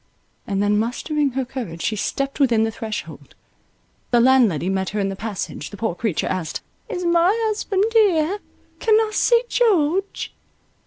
and then mustering her courage, she stepped within the threshold. The landlady met her in the passage; the poor creature asked, "Is my husband here? Can I see George?"